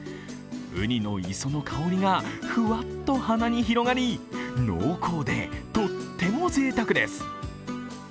うにの磯の香りがふわっと鼻に広がり濃厚でとっても、ぜいたくです。